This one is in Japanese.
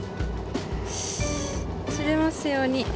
釣れますように。